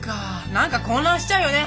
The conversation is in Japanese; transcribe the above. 何か混乱しちゃうよね